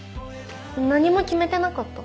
何も決めてなかった。